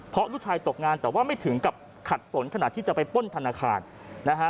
เพราะลูกชายตกงานแต่ว่าไม่ถึงกับขัดสนขนาดที่จะไปป้นธนาคารนะฮะ